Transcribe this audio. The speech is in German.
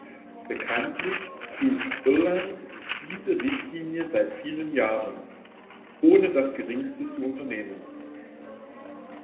Bekanntlich prüft Irland diese Richtlinie seit vielen Jahren, ohne das Geringste zu unternehmen.